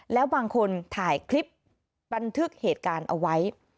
แล้วบางคนถ่ายคลิปบันทึกเหตุการณ์เอาไว้